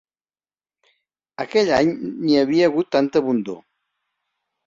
Aquell any n'hi havia hagut tanta abundor